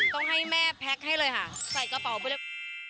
ต้องให้แม่แพ็คให้เลยค่ะใส่กระเป๋าไปเลย